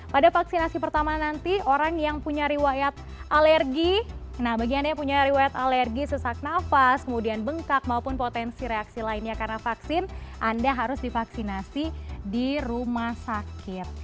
pada vaksinasi pertama nanti orang yang punya riwayat alergi nah bagi anda yang punya riwayat alergi sesak nafas kemudian bengkak maupun potensi reaksi lainnya karena vaksin anda harus divaksinasi di rumah sakit